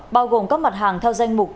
bao gồm các mặt hàng theo danh mục